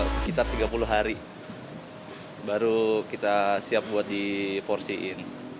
sekitar tiga puluh hari baru kita siap buat diporsiin